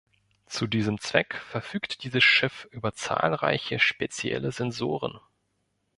Zu diesem Zweck verfügt dieses Schiff über zahlreiche spezielle Sensoren.